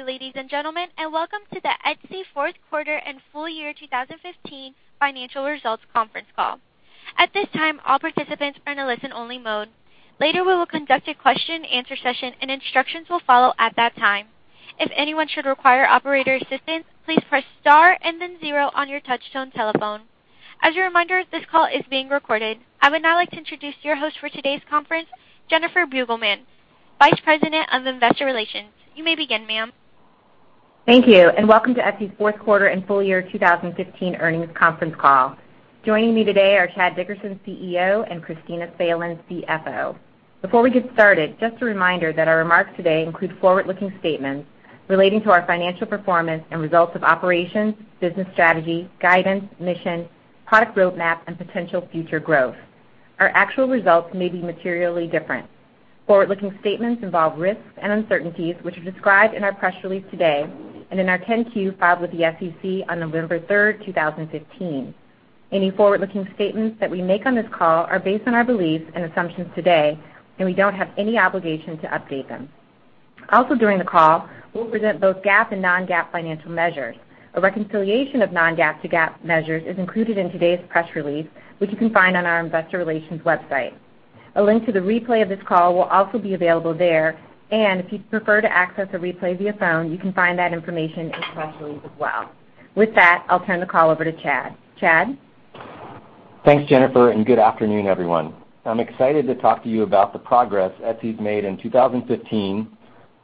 Good day, ladies and gentlemen, welcome to the Etsy fourth quarter and full year 2015 financial results conference call. At this time, all participants are in a listen only mode. Later, we will conduct a question and answer session, and instructions will follow at that time. If anyone should require operator assistance, please press star and then zero on your touch-tone telephone. As a reminder, this call is being recorded. I would now like to introduce your host for today's conference, Jennifer Beugelmans, Vice President of Investor Relations. You may begin, ma'am. Thank you, welcome to Etsy's fourth quarter and full year 2015 earnings conference call. Joining me today are Chad Dickerson, CEO, and Kristina Salen, CFO. Before we get started, just a reminder that our remarks today include forward-looking statements relating to our financial performance and results of operations, business strategy, guidance, mission, product roadmap, and potential future growth. Our actual results may be materially different. Forward-looking statements involve risks and uncertainties, which are described in our press release today and in our 10-Q filed with the SEC on November 3rd, 2015. Any forward-looking statements that we make on this call are based on our beliefs and assumptions today. We don't have any obligation to update them. During the call, we'll present both GAAP and non-GAAP financial measures. A reconciliation of non-GAAP to GAAP measures is included in today's press release, which you can find on our investor relations website. A link to the replay of this call will also be available there. If you'd prefer to access a replay via phone, you can find that information in the press release as well. With that, I'll turn the call over to Chad. Chad? Thanks, Jennifer, good afternoon, everyone. I'm excited to talk to you about the progress Etsy's made in 2015,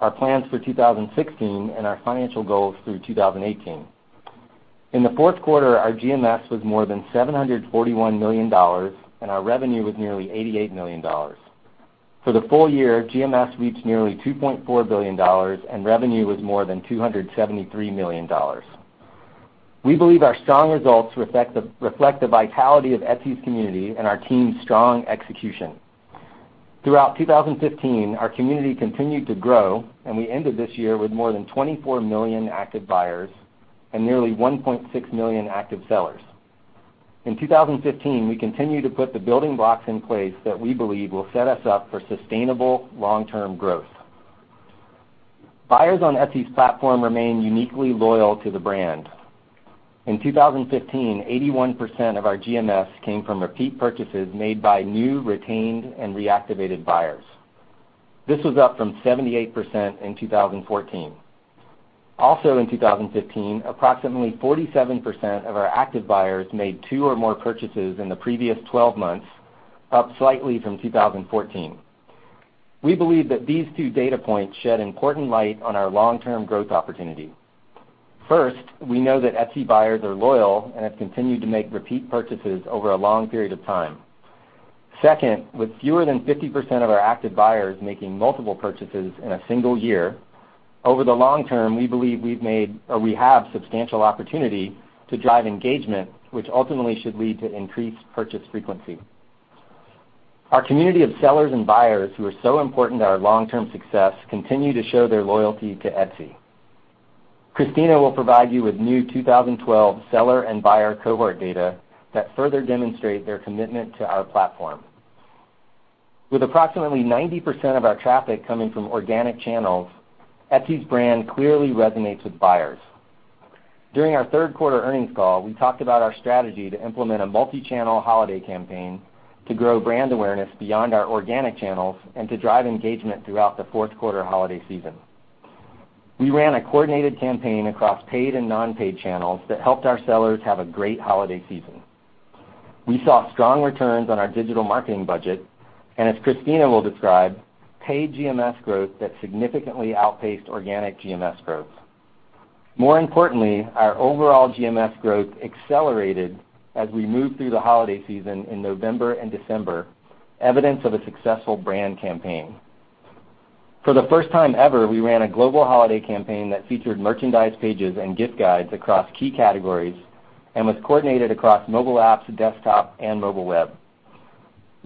our plans for 2016, and our financial goals through 2018. In the fourth quarter, our GMS was more than $741 million, and our revenue was nearly $88 million. For the full year, GMS reached nearly $2.4 billion and revenue was more than $273 million. We believe our strong results reflect the vitality of Etsy's community and our team's strong execution. Throughout 2015, our community continued to grow. We ended this year with more than 24 million active buyers and nearly 1.6 million active sellers. In 2015, we continued to put the building blocks in place that we believe will set us up for sustainable long-term growth. Buyers on Etsy's platform remain uniquely loyal to the brand. In 2015, 81% of our GMS came from repeat purchases made by new, retained, and reactivated buyers. This was up from 78% in 2014. Also in 2015, approximately 47% of our active buyers made two or more purchases in the previous 12 months, up slightly from 2014. We believe that these two data points shed important light on our long-term growth opportunity. First, we know that Etsy buyers are loyal and have continued to make repeat purchases over a long period of time. Second, with fewer than 50% of our active buyers making multiple purchases in a single year, over the long term, we believe we have substantial opportunity to drive engagement, which ultimately should lead to increased purchase frequency. Our community of sellers and buyers who are so important to our long-term success continue to show their loyalty to Etsy. Kristina will provide you with new 2012 seller and buyer cohort data that further demonstrate their commitment to our platform. With approximately 90% of our traffic coming from organic channels, Etsy's brand clearly resonates with buyers. During our third quarter earnings call, we talked about our strategy to implement a multi-channel holiday campaign to grow brand awareness beyond our organic channels and to drive engagement throughout the fourth quarter holiday season. We ran a coordinated campaign across paid and non-paid channels that helped our sellers have a great holiday season. We saw strong returns on our digital marketing budget, and as Kristina will describe, paid GMS growth that significantly outpaced organic GMS growth. More importantly, our overall GMS growth accelerated as we moved through the holiday season in November and December, evidence of a successful brand campaign. For the first time ever, we ran a global holiday campaign that featured merchandise pages and gift guides across key categories and was coordinated across mobile apps, desktop, and mobile web.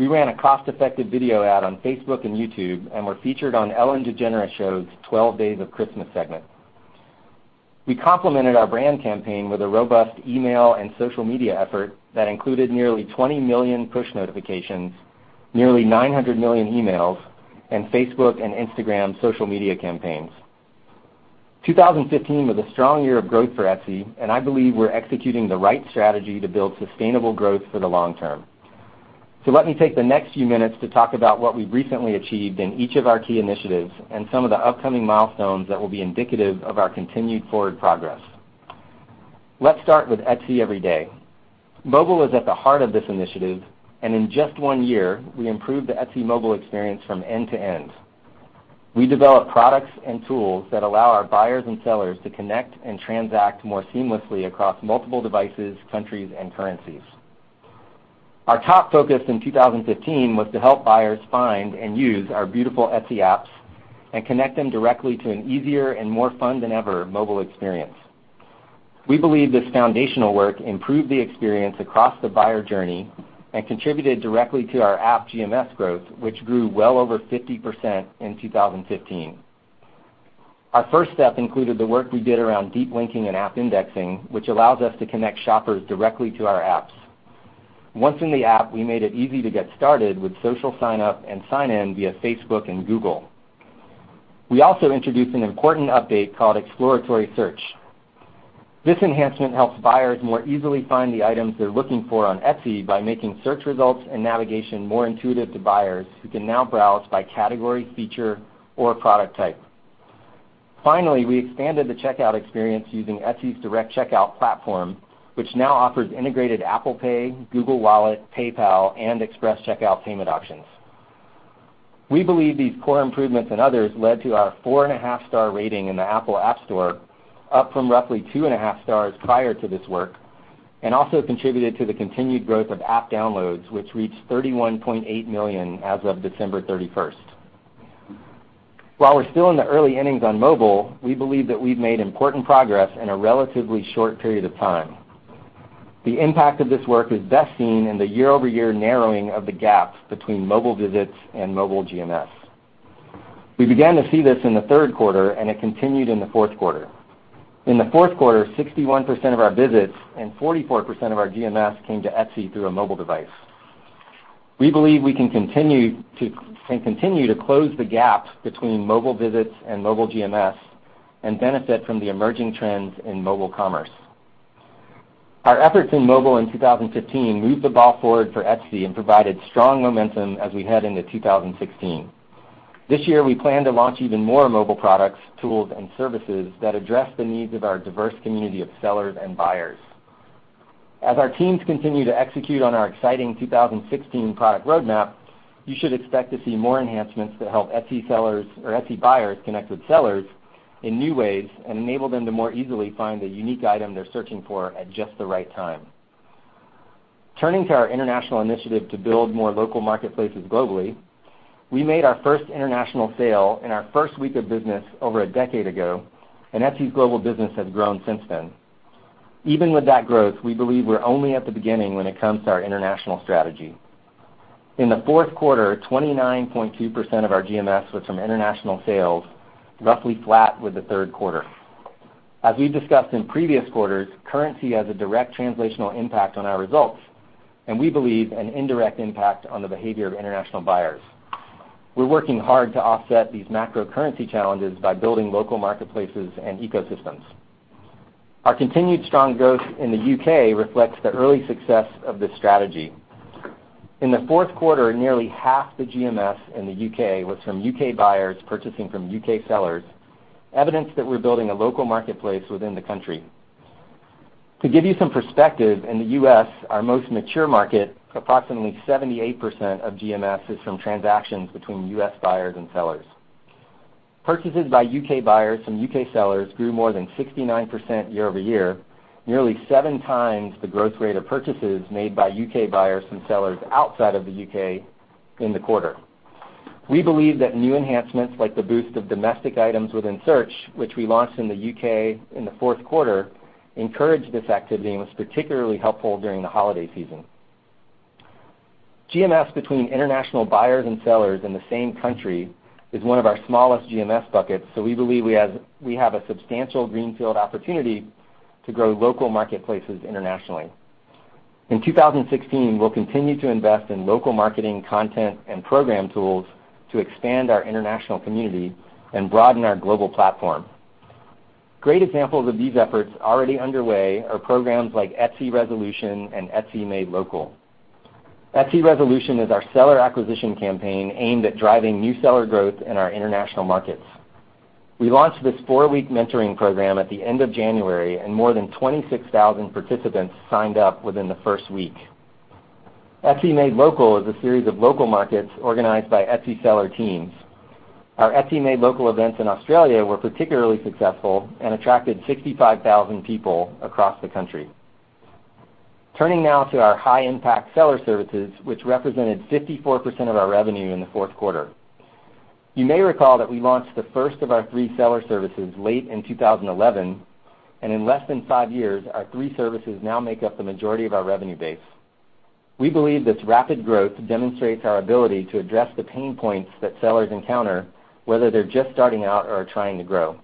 We ran a cost-effective video ad on Facebook and YouTube and were featured on The Ellen DeGeneres Show's 12 Days of Christmas segment. We complemented our brand campaign with a robust email and social media effort that included nearly 20 million push notifications, nearly 900 million emails, and Facebook and Instagram social media campaigns. 2015 was a strong year of growth for Etsy, and I believe we're executing the right strategy to build sustainable growth for the long term. Let me take the next few minutes to talk about what we've recently achieved in each of our key initiatives and some of the upcoming milestones that will be indicative of our continued forward progress. Let's start with Etsy Everyday. Mobile is at the heart of this initiative. In just one year, we improved the Etsy mobile experience from end to end. We developed products and tools that allow our buyers and sellers to connect and transact more seamlessly across multiple devices, countries, and currencies. Our top focus in 2015 was to help buyers find and use our beautiful Etsy apps and connect them directly to an easier and more fun than ever mobile experience. We believe this foundational work improved the experience across the buyer journey and contributed directly to our app GMS growth, which grew well over 50% in 2015. Our first step included the work we did around deep linking and app indexing, which allows us to connect shoppers directly to our apps. Once in the app, we made it easy to get started with social sign up and sign in via Facebook and Google. We also introduced an important update called Exploratory Search. This enhancement helps buyers more easily find the items they're looking for on Etsy by making search results and navigation more intuitive to buyers who can now browse by category, feature, or product type. Finally, we expanded the checkout experience using Etsy's Direct Checkout platform, which now offers integrated Apple Pay, Google Wallet, PayPal, and Express Checkout payment options. We believe these core improvements and others led to our four and a half star rating in the Apple App Store, up from roughly two and a half stars prior to this work, and also contributed to the continued growth of app downloads, which reached 31.8 million as of December 31st. While we're still in the early innings on mobile, we believe that we've made important progress in a relatively short period of time. The impact of this work is best seen in the year-over-year narrowing of the gap between mobile visits and mobile GMS. We began to see this in the third quarter, and it continued in the fourth quarter. In the fourth quarter, 61% of our visits and 44% of our GMS came to Etsy through a mobile device. We believe we can continue to close the gap between mobile visits and mobile GMS and benefit from the emerging trends in mobile commerce. Our efforts in mobile in 2015 moved the ball forward for Etsy and provided strong momentum as we head into 2016. This year, we plan to launch even more mobile products, tools, and services that address the needs of our diverse community of sellers and buyers. As our teams continue to execute on our exciting 2016 product roadmap, you should expect to see more enhancements to help Etsy buyers connect with sellers in new ways and enable them to more easily find the unique item they're searching for at just the right time. Turning to our international initiative to build more local marketplaces globally, we made our first international sale in our first week of business over a decade ago, and Etsy's global business has grown since then. Even with that growth, we believe we're only at the beginning when it comes to our international strategy. In the fourth quarter, 29.2% of our GMS was from international sales, roughly flat with the third quarter. As we've discussed in previous quarters, currency has a direct translational impact on our results and we believe an indirect impact on the behavior of international buyers. We're working hard to offset these macro currency challenges by building local marketplaces and ecosystems. Our continued strong growth in the U.K. reflects the early success of this strategy. In the fourth quarter, nearly half the GMS in the U.K. was from U.K. buyers purchasing from U.K. sellers, evidence that we're building a local marketplace within the country. To give you some perspective, in the U.S., our most mature market, approximately 78% of GMS is from transactions between U.S. buyers and sellers. Purchases by U.K. buyers from U.K. sellers grew more than 69% year-over-year, nearly seven times the growth rate of purchases made by U.K. buyers from sellers outside of the U.K. in the quarter. We believe that new enhancements like the boost of domestic items within search, which we launched in the U.K. in the fourth quarter, encouraged this activity and was particularly helpful during the holiday season. GMS between international buyers and sellers in the same country is one of our smallest GMS buckets, so we believe we have a substantial greenfield opportunity to grow local marketplaces internationally. In 2016, we will continue to invest in local marketing content and program tools to expand our international community and broaden our global platform. Great examples of these efforts already underway are programs like Etsy Resolution and Etsy Made Local. Etsy Resolution is our seller acquisition campaign aimed at driving new seller growth in our international markets. We launched this four-week mentoring program at the end of January, and more than 26,000 participants signed up within the first week. Etsy Made Local is a series of local markets organized by Etsy seller teams. Our Etsy Made Local events in Australia were particularly successful and attracted 65,000 people across the country. Turning now to our high-impact seller services, which represented 54% of our revenue in the fourth quarter. You may recall that we launched the first of our three seller services late in 2011, and in less than five years, our three services now make up the majority of our revenue base. We believe this rapid growth demonstrates our ability to address the pain points that sellers encounter, whether they are just starting out or are trying to grow.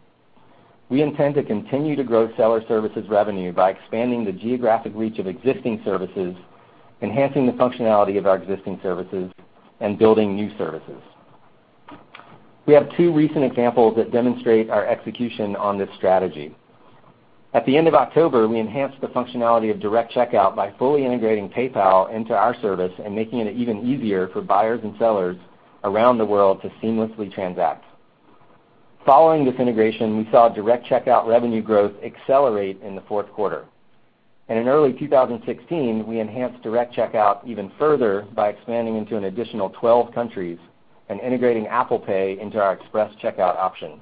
We intend to continue to grow seller services revenue by expanding the geographic reach of existing services, enhancing the functionality of our existing services, and building new services. We have two recent examples that demonstrate our execution on this strategy. At the end of October, we enhanced the functionality of Direct Checkout by fully integrating PayPal into our service and making it even easier for buyers and sellers around the world to seamlessly transact. Following this integration, we saw Direct Checkout revenue growth accelerate in the fourth quarter. In early 2016, we enhanced Direct Checkout even further by expanding into an additional 12 countries and integrating Apple Pay into our Express Checkout option.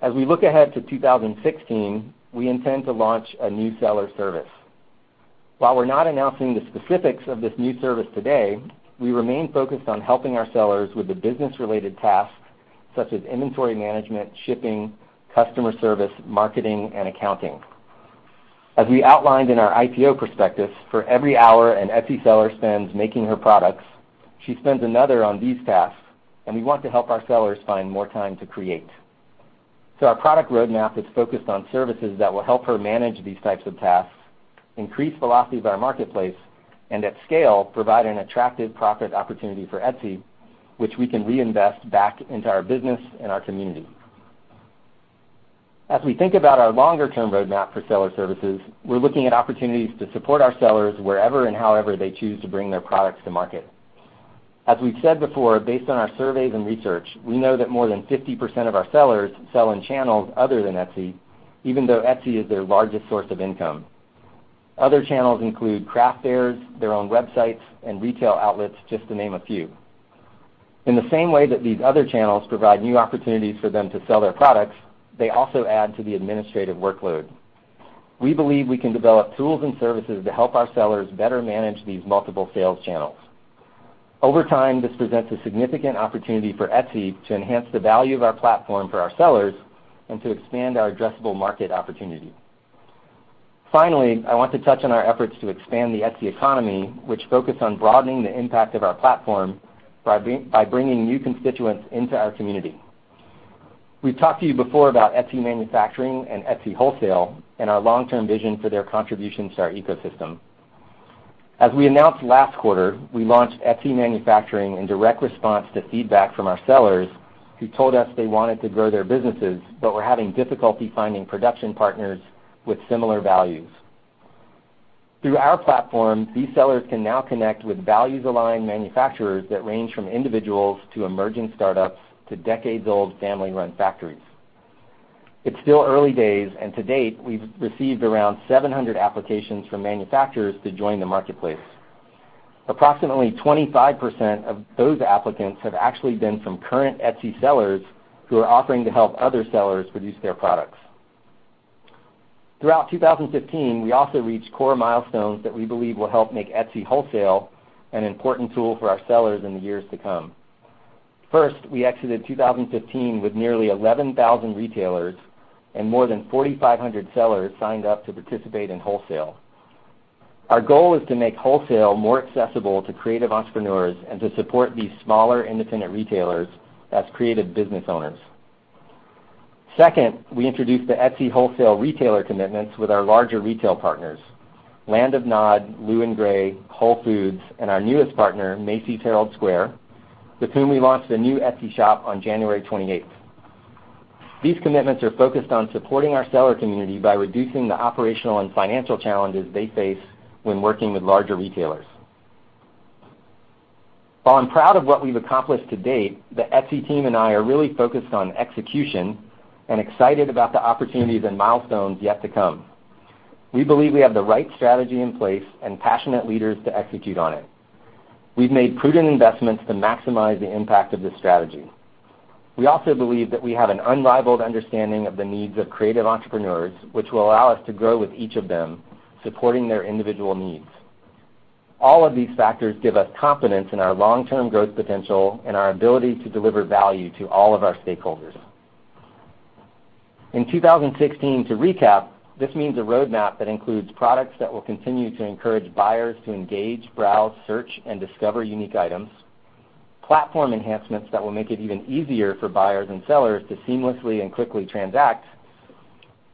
As we look ahead to 2016, we intend to launch a new seller service. While we are not announcing the specifics of this new service today, we remain focused on helping our sellers with the business-related tasks such as inventory management, shipping, customer service, marketing, and accounting. As we outlined in our IPO prospectus, for every hour an Etsy seller spends making her products, she spends another on these tasks, and we want to help our sellers find more time to create. Our product roadmap is focused on services that will help her manage these types of tasks, increase velocities of our marketplace, and at scale, provide an attractive profit opportunity for Etsy, which we can reinvest back into our business and our community. As we think about our longer term roadmap for seller services, we are looking at opportunities to support our sellers wherever and however they choose to bring their products to market. As we have said before, based on our surveys and research, we know that more than 50% of our sellers sell in channels other than Etsy, even though Etsy is their largest source of income. Other channels include craft fairs, their own websites, and retail outlets, just to name a few. In the same way that these other channels provide new opportunities for them to sell their products, they also add to the administrative workload. We believe we can develop tools and services to help our sellers better manage these multiple sales channels. Over time, this presents a significant opportunity for Etsy to enhance the value of our platform for our sellers and to expand our addressable market opportunity. Finally, I want to touch on our efforts to expand the Etsy economy, which focus on broadening the impact of our platform by bringing new constituents into our community. We've talked to you before about Etsy Manufacturing and Etsy Wholesale and our long-term vision for their contributions to our ecosystem. As we announced last quarter, we launched Etsy Manufacturing in direct response to feedback from our sellers who told us they wanted to grow their businesses but were having difficulty finding production partners with similar values. Through our platform, these sellers can now connect with values aligned manufacturers that range from individuals to emerging startups to decades old family-run factories. It's still early days, and to date, we've received around 700 applications from manufacturers to join the marketplace. Approximately 25% of those applicants have actually been from current Etsy sellers who are offering to help other sellers produce their products. Throughout 2015, we also reached core milestones that we believe will help make Etsy Wholesale an important tool for our sellers in the years to come. First, we exited 2015 with nearly 11,000 retailers and more than 4,500 sellers signed up to participate in wholesale. Our goal is to make wholesale more accessible to creative entrepreneurs and to support these smaller independent retailers as creative business owners. Second, we introduced the Etsy Wholesale retailer commitments with our larger retail partners, The Land of Nod, Lou & Grey, Whole Foods Market, and our newest partner, Macy's Herald Square, with whom we launched a new Etsy shop on January 28th. These commitments are focused on supporting our seller community by reducing the operational and financial challenges they face when working with larger retailers. While I'm proud of what we've accomplished to date, the Etsy team and I are really focused on execution and excited about the opportunities and milestones yet to come. We believe we have the right strategy in place and passionate leaders to execute on it. We've made prudent investments to maximize the impact of this strategy. We also believe that we have an unrivaled understanding of the needs of creative entrepreneurs, which will allow us to grow with each of them, supporting their individual needs. All of these factors give us confidence in our long-term growth potential and our ability to deliver value to all of our stakeholders. In 2016, to recap, this means a roadmap that includes products that will continue to encourage buyers to engage, browse, search, and discover unique items, platform enhancements that will make it even easier for buyers and sellers to seamlessly and quickly transact,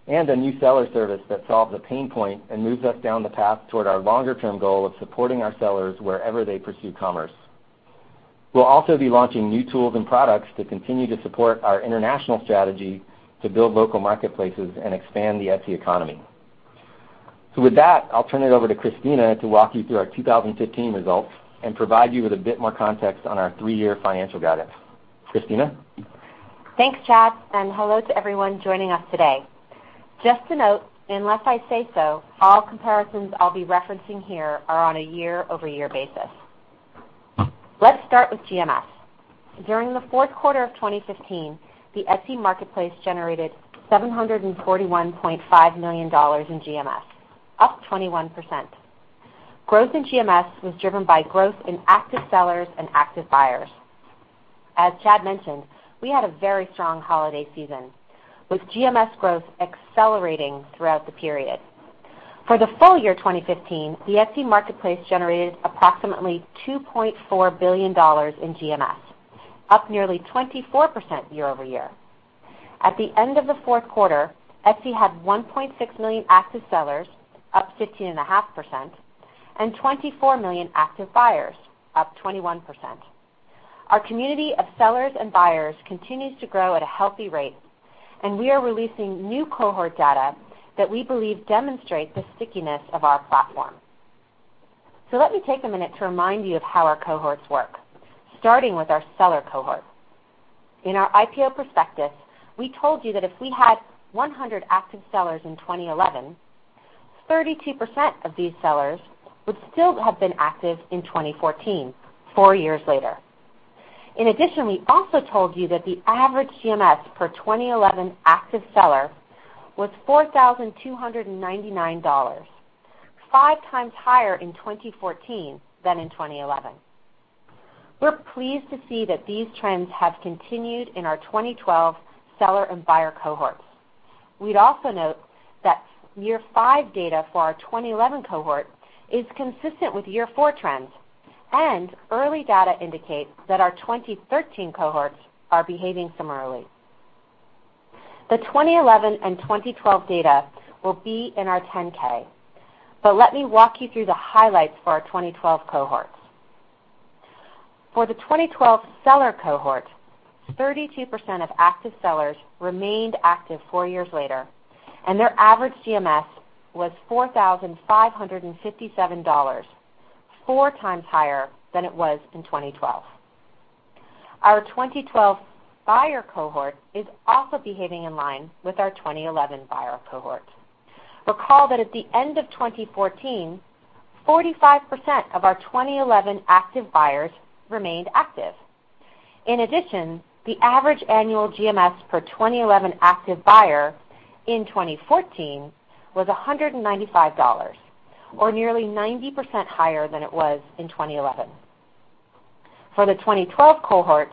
and a new seller service that solves a pain point and moves us down the path toward our longer term goal of supporting our sellers wherever they pursue commerce. We'll also be launching new tools and products to continue to support our international strategy to build local marketplaces and expand the Etsy economy. With that, I'll turn it over to Kristina to walk you through our 2015 results and provide you with a bit more context on our three-year financial guidance. Kristina. Thanks, Chad, and hello to everyone joining us today. Just to note, unless I say so, all comparisons I'll be referencing here are on a year-over-year basis. Let's start with GMS. During the fourth quarter of 2015, the Etsy marketplace generated $741.5 million in GMS, up 21%. Growth in GMS was driven by growth in active sellers and active buyers. As Chad mentioned, we had a very strong holiday season, with GMS growth accelerating throughout the period. For the full year 2015, the Etsy marketplace generated approximately $2.4 billion in GMS, up nearly 24% year-over-year. At the end of the fourth quarter, Etsy had 1.6 million active sellers, up 15.5%, and 24 million active buyers, up 21%. Our community of sellers and buyers continues to grow at a healthy rate. We are releasing new cohort data that we believe demonstrate the stickiness of our platform. Let me take a minute to remind you of how our cohorts work, starting with our seller cohort. In our IPO prospectus, we told you that if we had 100 active sellers in 2011, 32% of these sellers would still have been active in 2014, four years later. In addition, we also told you that the average GMS per 2011 active seller was $4,299, 5 times higher in 2014 than in 2011. We're pleased to see that these trends have continued in our 2012 seller and buyer cohorts. We'd also note that year five data for our 2011 cohort is consistent with year four trends. Early data indicates that our 2013 cohorts are behaving similarly. The 2011 and 2012 data will be in our 10-K. Let me walk you through the highlights for our 2012 cohorts. For the 2012 seller cohort, 32% of active sellers remained active four years later, and their average GMS was $4,557, 4 times higher than it was in 2012. Our 2012 buyer cohort is also behaving in line with our 2011 buyer cohort. Recall that at the end of 2014, 45% of our 2011 active buyers remained active. In addition, the average annual GMS per 2011 active buyer in 2014 was $195, or nearly 90% higher than it was in 2011. For the 2012 cohort,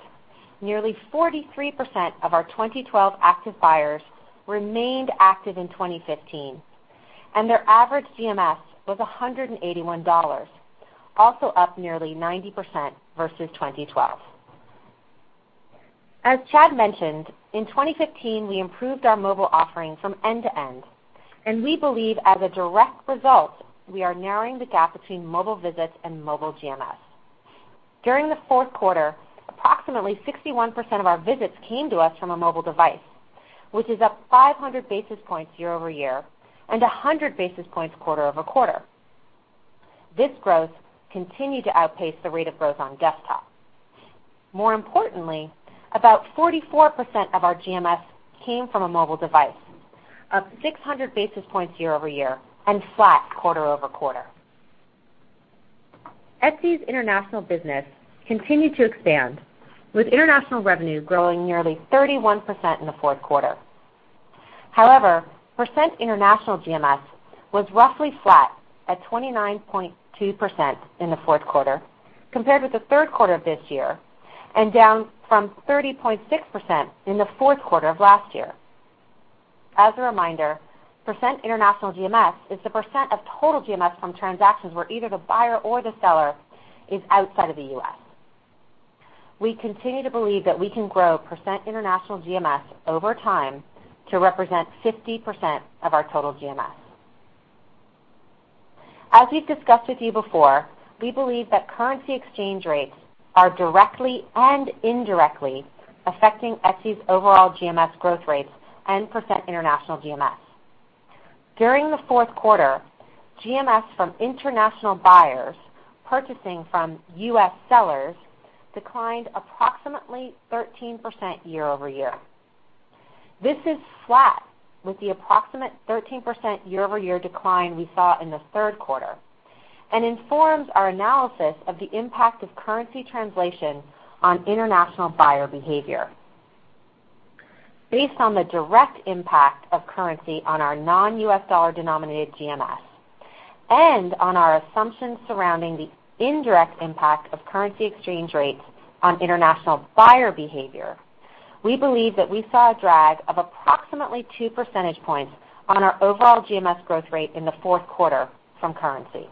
nearly 43% of our 2012 active buyers remained active in 2015, and their average GMS was $181, also up nearly 90% versus 2012. As Chad mentioned, in 2015, we improved our mobile offering from end to end, and we believe, as a direct result, we are narrowing the gap between mobile visits and mobile GMS. During the fourth quarter, approximately 61% of our visits came to us from a mobile device, which is up 500 basis points year-over-year and 100 basis points quarter-over-quarter. This growth continued to outpace the rate of growth on desktop. More importantly, about 44% of our GMS came from a mobile device, up 600 basis points year-over-year and flat quarter-over-quarter. Etsy's international business continued to expand with international revenue growing nearly 31% in the fourth quarter. Percent international GMS was roughly flat at 29.2% in the fourth quarter compared with the third quarter of this year, and down from 30.6% in the fourth quarter of last year. As a reminder, percent international GMS is the percent of total GMS from transactions where either the buyer or the seller is outside of the U.S. We continue to believe that we can grow percent international GMS over time to represent 50% of our total GMS. As we've discussed with you before, we believe that currency exchange rates are directly and indirectly affecting Etsy's overall GMS growth rates and percent international GMS. During the fourth quarter, GMS from international buyers purchasing from U.S. sellers declined approximately 13% year-over-year. This is flat with the approximate 13% year-over-year decline we saw in the third quarter and informs our analysis of the impact of currency translation on international buyer behavior. Based on the direct impact of currency on our non-U.S. dollar denominated GMS and on our assumptions surrounding the indirect impact of currency exchange rates on international buyer behavior, we believe that we saw a drag of approximately two percentage points on our overall GMS growth rate in the fourth quarter from currency.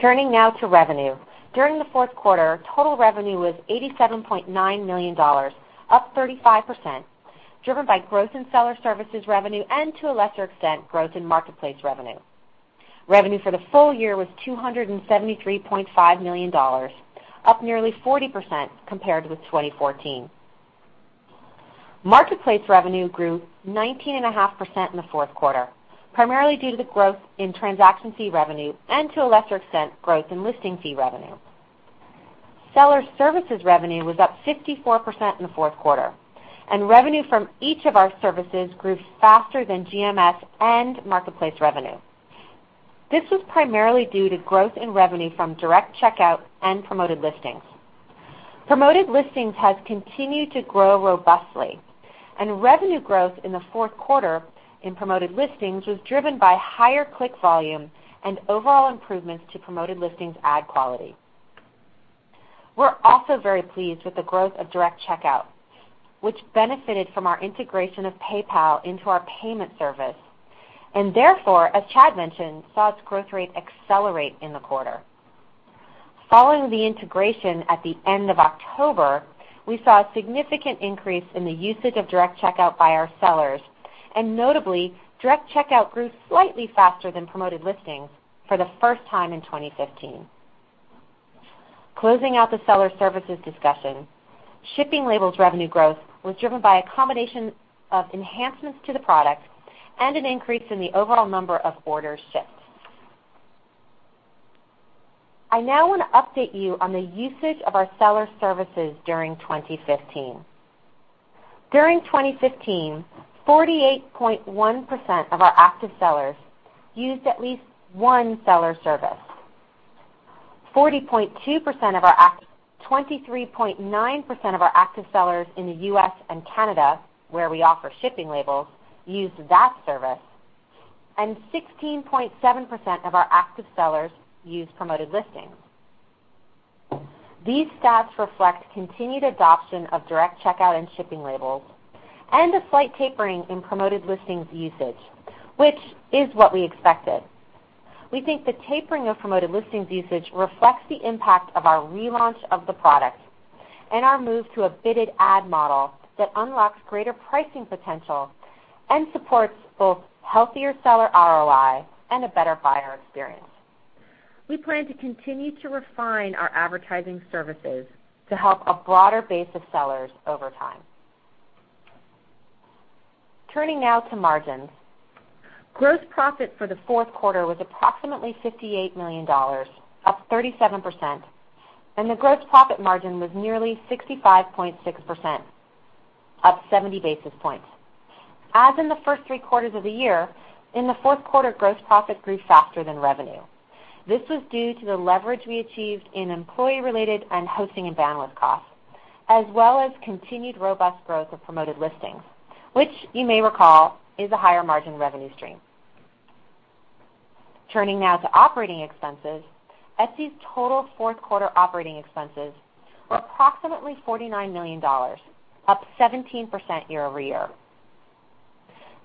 Turning now to revenue. During the fourth quarter, total revenue was $87.9 million, up 35%, driven by growth in seller services revenue and, to a lesser extent, growth in marketplace revenue. Revenue for the full year was $273.5 million, up nearly 40% compared with 2014. Marketplace revenue grew 19.5% in the fourth quarter, primarily due to the growth in transaction fee revenue and, to a lesser extent, growth in listing fee revenue. Seller services revenue was up 54% in the fourth quarter. Revenue from each of our services grew faster than GMS and marketplace revenue. This was primarily due to growth in revenue from Direct Checkout and Promoted Listings. Promoted Listings has continued to grow robustly, and revenue growth in the fourth quarter in Promoted Listings was driven by higher click volume and overall improvements to Promoted Listings ad quality. We're also very pleased with the growth of Direct Checkout, which benefited from our integration of PayPal into our payment service and therefore, as Chad mentioned, saw its growth rate accelerate in the quarter. Following the integration at the end of October, we saw a significant increase in the usage of Direct Checkout by our sellers. Notably, Direct Checkout grew slightly faster than Promoted Listings for the first time in 2015. Closing out the seller services discussion, shipping labels revenue growth was driven by a combination of enhancements to the product and an increase in the overall number of orders shipped. I now want to update you on the usage of our seller services during 2015. During 2015, 48.1% of our active sellers used at least one seller service. 23.9% of our active sellers in the U.S. and Canada, where we offer shipping labels, used that service. 16.7% of our active sellers used Promoted Listings. These stats reflect continued adoption of Direct Checkout and shipping labels and a slight tapering in Promoted Listings usage, which is what we expected. We think the tapering of Promoted Listings usage reflects the impact of our relaunch of the product and our move to a bidded ad model that unlocks greater pricing potential and supports both healthier seller ROI and a better buyer experience. We plan to continue to refine our advertising services to help a broader base of sellers over time. Turning now to margins. Gross profit for the fourth quarter was approximately $58 million, up 37%. The gross profit margin was nearly 65.6%, up 70 basis points. As in the first three quarters of the year, in the fourth quarter, gross profit grew faster than revenue. This was due to the leverage we achieved in employee-related and hosting and bandwidth costs, as well as continued robust growth of Promoted Listings, which you may recall is a higher margin revenue stream. Turning now to operating expenses. Etsy's total fourth-quarter operating expenses were approximately $49 million, up 17% year-over-year.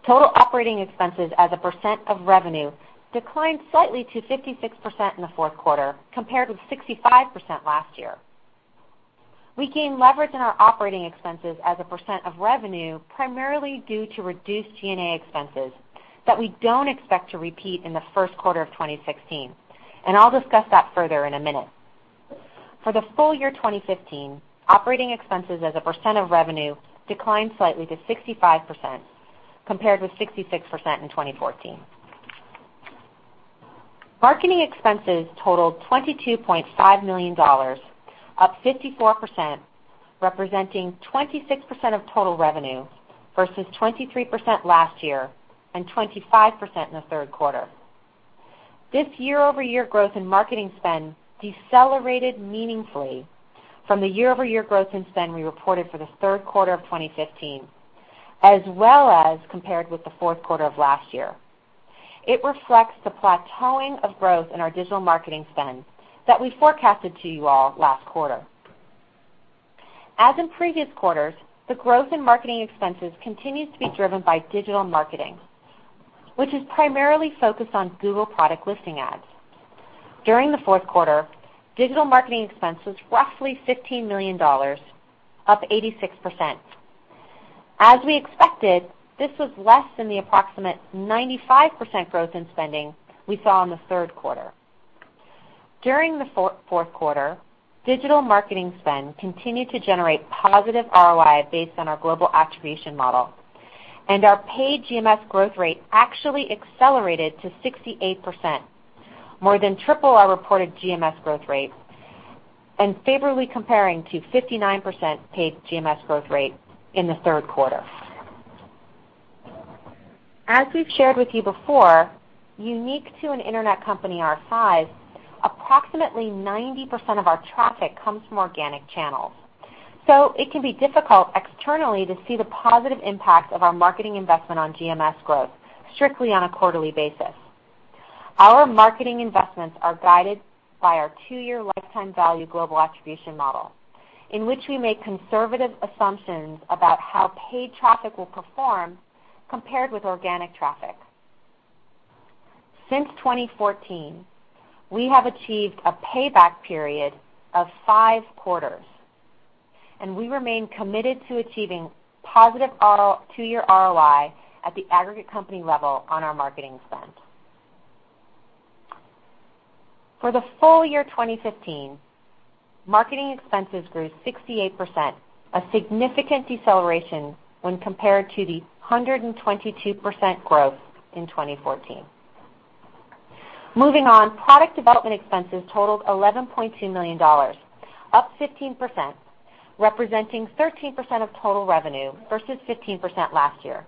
Total operating expenses as a percent of revenue declined slightly to 56% in the fourth quarter, compared with 65% last year. We gained leverage in our operating expenses as a percent of revenue, primarily due to reduced G&A expenses that we don't expect to repeat in the first quarter of 2016. I'll discuss that further in a minute. For the full year 2015, operating expenses as a percent of revenue declined slightly to 65%, compared with 66% in 2014. Marketing expenses totaled $22.5 million, up 54%, representing 26% of total revenue versus 23% last year and 25% in the third quarter. This year-over-year growth in marketing spend decelerated meaningfully from the year-over-year growth in spend we reported for the third quarter of 2015, as well as compared with the fourth quarter of last year. It reflects the plateauing of growth in our digital marketing spend that we forecasted to you all last quarter. As in previous quarters, the growth in marketing expenses continues to be driven by digital marketing, which is primarily focused on Google Product Listing Ads. During the fourth quarter, digital marketing expense was roughly $15 million, up 86%. As we expected, this was less than the approximate 95% growth in spending we saw in the third quarter. During the fourth quarter, digital marketing spend continued to generate positive ROI based on our global attribution model. Our paid GMS growth rate actually accelerated to 68%, more than triple our reported GMS growth rate, and favorably comparing to 59% paid GMS growth rate in the third quarter. As we've shared with you before, unique to an internet company our size, approximately 90% of our traffic comes from organic channels. It can be difficult externally to see the positive impact of our marketing investment on GMS growth strictly on a quarterly basis. Our marketing investments are guided by our two-year lifetime value global attribution model, in which we make conservative assumptions about how paid traffic will perform compared with organic traffic. Since 2014, we have achieved a payback period of five quarters. We remain committed to achieving positive two-year ROI at the aggregate company level on our marketing spend. For the full year 2015, marketing expenses grew 68%, a significant deceleration when compared to the 122% growth in 2014. Moving on, product development expenses totaled $11.2 million, up 15%, representing 13% of total revenue versus 15% last year.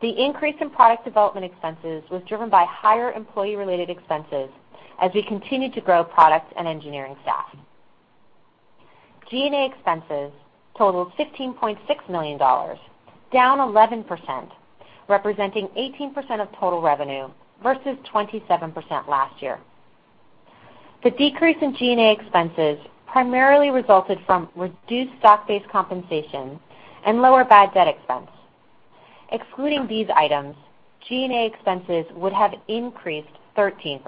The increase in product development expenses was driven by higher employee-related expenses as we continued to grow product and engineering staff. G&A expenses totaled $15.6 million, down 11%, representing 18% of total revenue versus 27% last year. The decrease in G&A expenses primarily resulted from reduced stock-based compensation and lower bad debt expense. Excluding these items, G&A expenses would have increased 13%.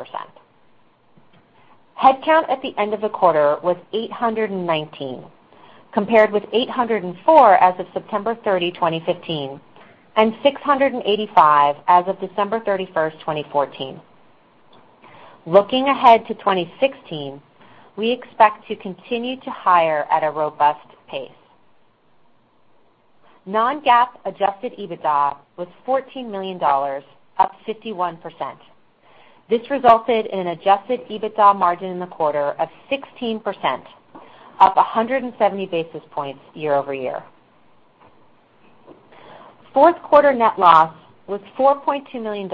Headcount at the end of the quarter was 819, compared with 804 as of September 30, 2015, and 685 as of December 31st, 2014. Looking ahead to 2016, we expect to continue to hire at a robust pace. Non-GAAP adjusted EBITDA was $14 million, up 51%. This resulted in an adjusted EBITDA margin in the quarter of 16%, up 170 basis points year-over-year. Fourth-quarter net loss was $4.2 million,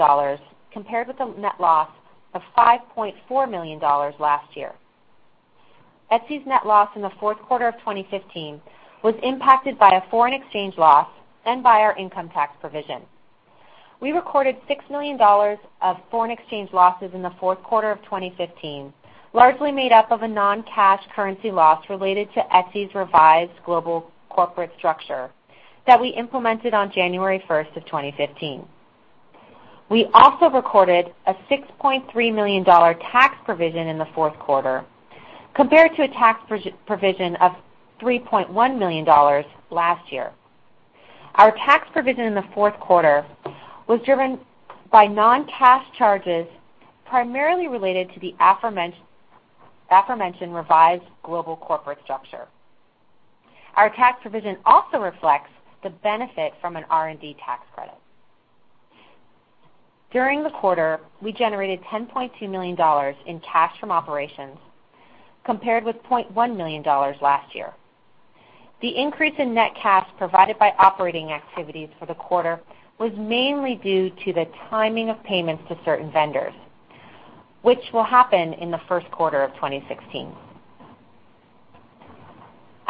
compared with a net loss of $5.4 million last year. Etsy's net loss in the fourth quarter of 2015 was impacted by a foreign exchange loss and by our income tax provision. We recorded $6 million of foreign exchange losses in the fourth quarter of 2015, largely made up of a non-cash currency loss related to Etsy's revised global corporate structure that we implemented on January 1st, 2015. We also recorded a $6.3 million tax provision in the fourth quarter compared to a tax provision of $3.1 million last year. Our tax provision in the fourth quarter was driven by non-cash charges, primarily related to the aforementioned revised global corporate structure. Our tax provision also reflects the benefit from an R&D tax credit. During the quarter, we generated $10.2 million in cash from operations, compared with $0.1 million last year. The increase in net cash provided by operating activities for the quarter was mainly due to the timing of payments to certain vendors, which will happen in the first quarter of 2016.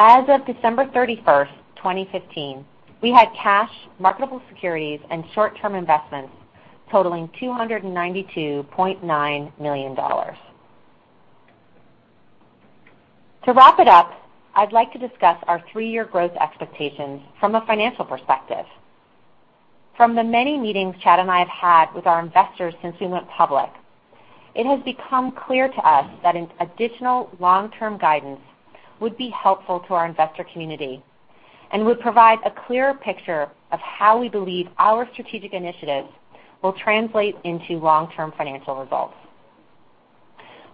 As of December 31st, 2015, we had cash, marketable securities, and short-term investments totaling $292.9 million. To wrap it up, I'd like to discuss our three-year growth expectations from a financial perspective. From the many meetings Chad and I have had with our investors since we went public, it has become clear to us that additional long-term guidance would be helpful to our investor community and would provide a clearer picture of how we believe our strategic initiatives will translate into long-term financial results.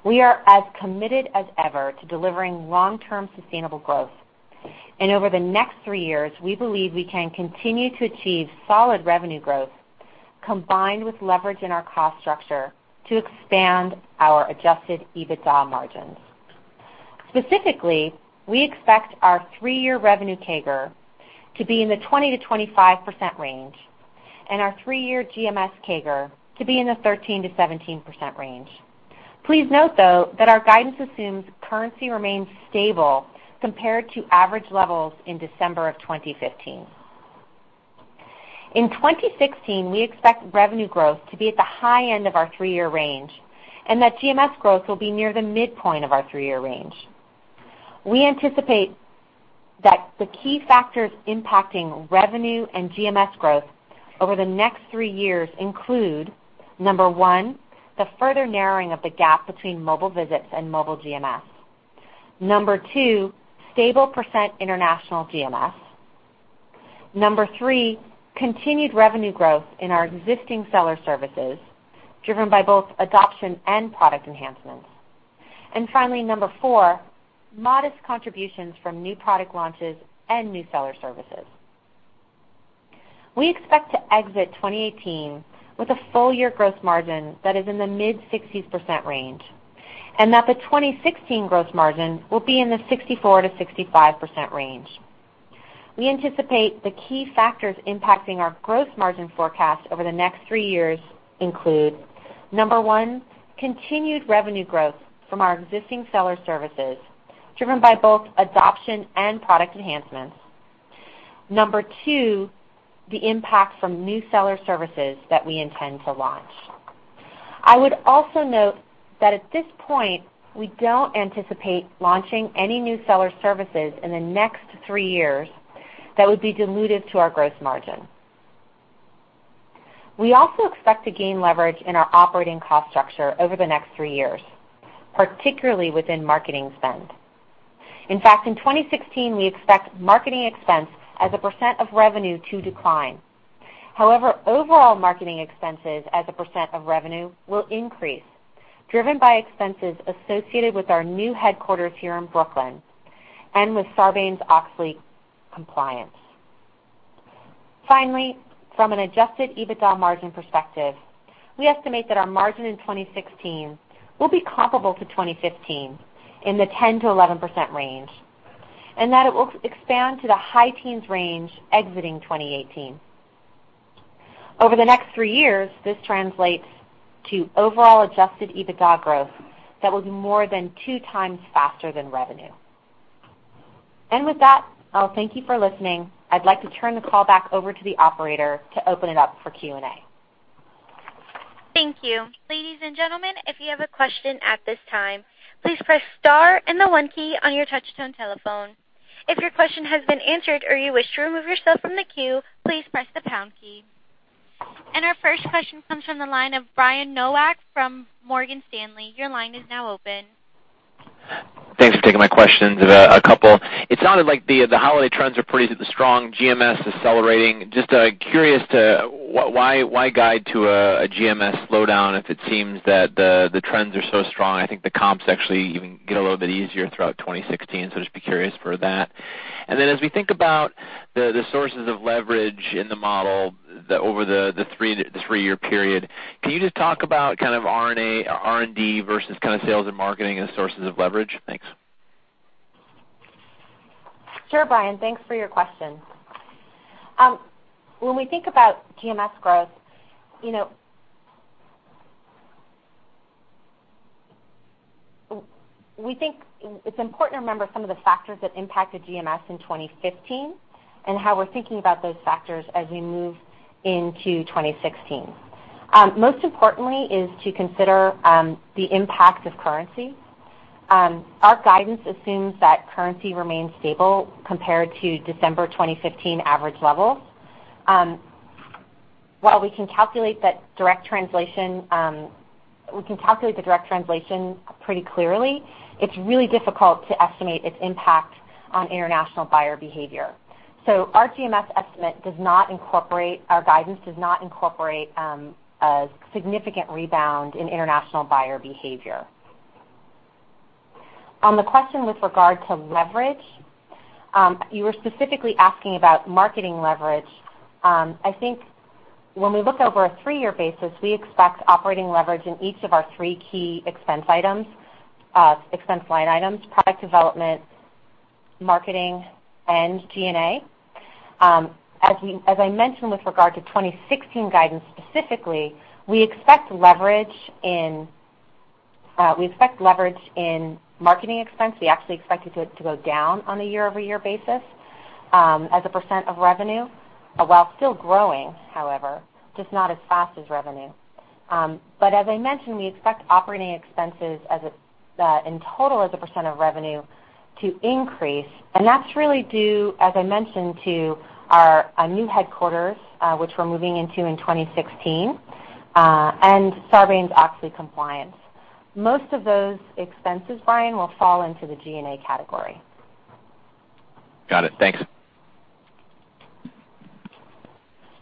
We are as committed as ever to delivering long-term sustainable growth. Over the next three years, we believe we can continue to achieve solid revenue growth, combined with leverage in our cost structure to expand our adjusted EBITDA margins. Specifically, we expect our three-year revenue CAGR to be in the 20%-25% range, and our three-year GMS CAGR to be in the 13%-17% range. Please note, though, that our guidance assumes currency remains stable compared to average levels in December of 2015. In 2016, we expect revenue growth to be at the high end of our three-year range and that GMS growth will be near the midpoint of our three-year range. We anticipate that the key factors impacting revenue and GMS growth over the next three years include, number one, the further narrowing of the gap between mobile visits and mobile GMS. Number two, stable % international GMS. Number three, continued revenue growth in our existing seller services, driven by both adoption and product enhancements. Finally, number four, modest contributions from new product launches and new seller services. We expect to exit 2018 with a full-year growth margin that is in the mid-60% range, and that the 2016 growth margin will be in the 64%-65% range. We anticipate the key factors impacting our growth margin forecast over the next three years include, number one, continued revenue growth from our existing seller services, driven by both adoption and product enhancements. Number two, the impact from new seller services that we intend to launch. I would also note that at this point, we don't anticipate launching any new seller services in the next three years that would be dilutive to our gross margin. We also expect to gain leverage in our operating cost structure over the next three years, particularly within marketing spend. In fact, in 2016, we expect marketing expense as a % of revenue to decline. Overall marketing expenses as a % of revenue will increase, driven by expenses associated with our new headquarters here in Brooklyn and with Sarbanes-Oxley compliance. Finally, from an adjusted EBITDA margin perspective, we estimate that our margin in 2016 will be comparable to 2015 in the 10%-11% range, and that it will expand to the high teens range exiting 2018. Over the next three years, this translates to overall adjusted EBITDA growth that will be more than two times faster than revenue. With that, I'll thank you for listening. I'd like to turn the call back over to the operator to open it up for Q&A. Thank you. Ladies and gentlemen, if you have a question at this time, please press star and the one key on your touch-tone telephone. If your question has been answered or you wish to remove yourself from the queue, please press the pound key. Our first question comes from the line of Brian Nowak from Morgan Stanley. Your line is now open. Thanks for taking my questions. A couple. It sounded like the holiday trends are pretty strong. GMS is accelerating. Just curious to why guide to a GMS slowdown if it seems that the trends are so strong? I think the comps actually even get a little bit easier throughout 2016, so just be curious for that. As we think about the sources of leverage in the model over the three-year period, can you just talk about kind of R&D versus kind of sales and marketing as sources of leverage? Thanks. Sure, Brian. Thanks for your question. When we think about GMS growth, you know, we think it's important to remember some of the factors that impacted GMS in 2015 and how we're thinking about those factors as we move into 2016. Most importantly is to consider the impact of currency. Our guidance assumes that currency remains stable compared to December 2015 average levels. While we can calculate the direct translation pretty clearly, it's really difficult to estimate its impact on international buyer behavior. Our GMS estimate does not incorporate a significant rebound in international buyer behavior. On the question with regard to leverage, you were specifically asking about marketing leverage. I think when we look over a three-year basis, we expect operating leverage in each of our three key expense line items, product development, marketing, and G&A. As I mentioned with regard to 2016 guidance, specifically, we expect leverage in marketing expense. We actually expect it to go down on a year-over-year basis as a % of revenue, while still growing, however, just not as fast as revenue. As I mentioned, we expect operating expenses in total as a % of revenue to increase. That's really due, as I mentioned, to our new headquarters, which we're moving into in 2016, and Sarbanes-Oxley compliance. Most of those expenses, Brian, will fall into the G&A category. Got it. Thanks.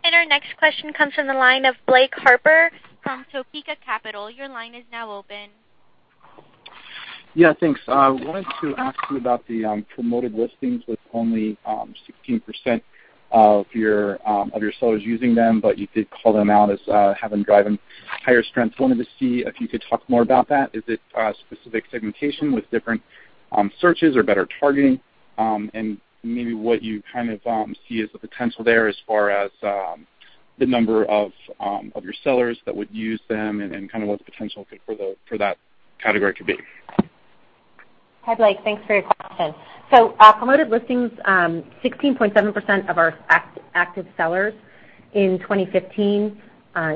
Our next question comes from the line of Blake Harper from Topeka Capital. Your line is now open. Yeah, thanks. I wanted to ask you about the Promoted Listings with only 16% of your sellers using them, but you did call them out as having driving higher strengths. Wanted to see if you could talk more about that. Is it a specific segmentation with different searches or better targeting? Maybe what you kind of see as the potential there as far as the number of your sellers that would use them and kind of what the potential for that category could be. Hi, Blake, thanks for your question. Promoted Listings, 16.7% of our active sellers in 2015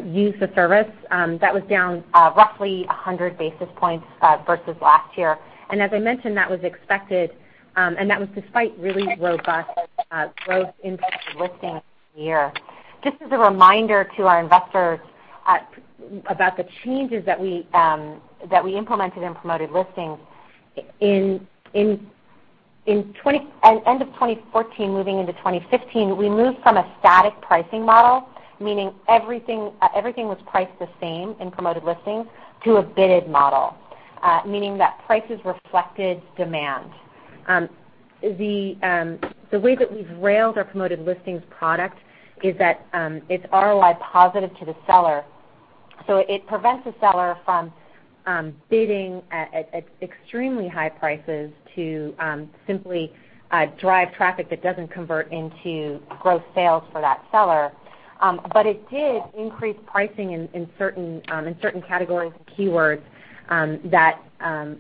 used the service. That was down roughly 100 basis points versus last year. As I mentioned, that was expected, and that was despite really robust growth in listings year. Just as a reminder to our investors about the changes that we implemented in Promoted Listings. At end of 2014, moving into 2015, we moved from a static pricing model, meaning everything was priced the same in Promoted Listings, to a bidded model, meaning that prices reflected demand. The way that we've railed our Promoted Listings product is that it's ROI positive to the seller. It prevents a seller from bidding at extremely high prices to simply drive traffic that doesn't convert into gross sales for that seller. It did increase pricing in certain categories and keywords that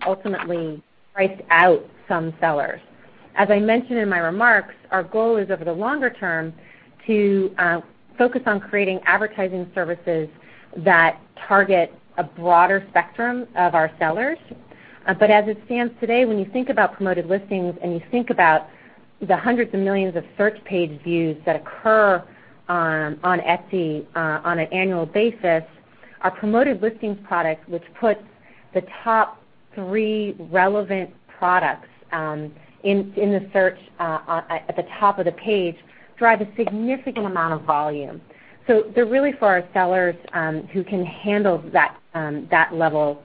ultimately priced out some sellers. As I mentioned in my remarks, our goal is over the longer term to focus on creating advertising services that target a broader spectrum of our sellers. As it stands today, when you think about Promoted Listings and you think about the hundreds of millions of search page views that occur on Etsy on an annual basis, our Promoted Listings product, which puts the top three relevant products in the search at the top of the page, drive a significant amount of volume. They're really for our sellers who can handle that level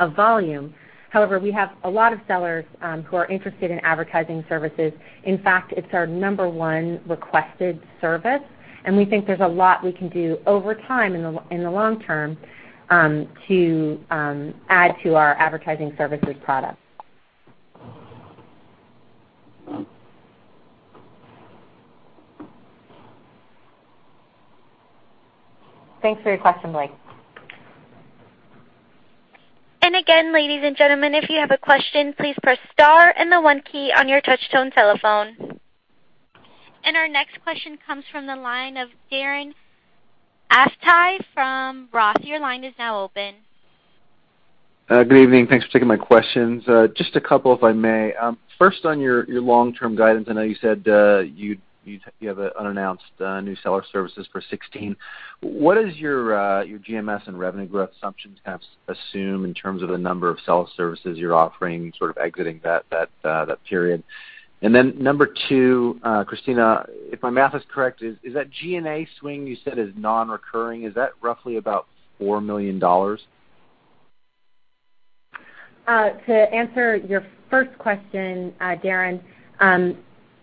of volume. However, we have a lot of sellers who are interested in advertising services. In fact, it's our number 1 requested service, and we think there's a lot we can do over time in the long term to add to our advertising services product. Thanks for your question, Blake. Again, ladies and gentlemen, if you have a question, please press star and the one key on your touch tone telephone. Our next question comes from the line of Darren Aftahi from ROTH. Your line is now open. Good evening. Thanks for taking my questions. Just a couple, if I may. First, on your long-term guidance, I know you said you have unannounced new seller services for 2016. What does your GMS and revenue growth assumptions kind of assume in terms of the number of seller services you're offering, sort of exiting that period? Then number 2, Kristina, if my math is correct, is that G&A swing you said is non-recurring, is that roughly about $4 million? To answer your first question, Darren,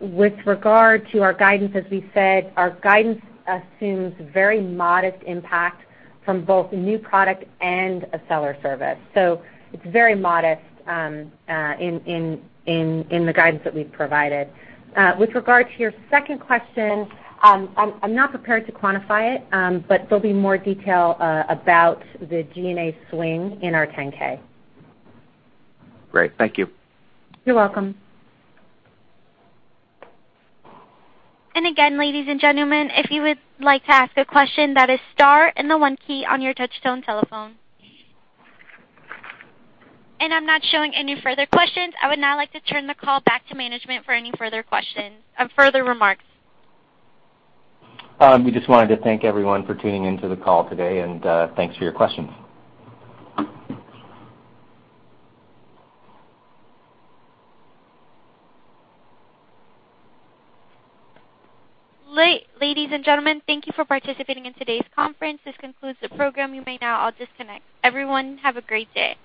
with regard to our guidance, as we said, our guidance assumes very modest impact from both new product and a seller service. It's very modest in the guidance that we've provided. With regard to your second question, I'm not prepared to quantify it, but there'll be more detail about the G&A swing in our 10-K. Great. Thank you. You're welcome. Again, ladies and gentlemen, if you would like to ask a question, that is star and the one key on your touch tone telephone. I'm not showing any further questions. I would now like to turn the call back to management for any further remarks. We just wanted to thank everyone for tuning into the call today, and thanks for your questions. Ladies and gentlemen, thank you for participating in today's conference. This concludes the program. You may now all disconnect. Everyone, have a great day.